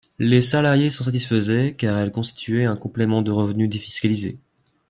Les salariés s’en satisfaisaient, car elles constituaient un complément de revenu défiscalisé.